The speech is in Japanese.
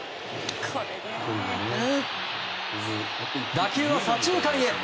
打球は左中間へ。